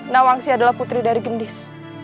nawangsi adalah putri dari gendis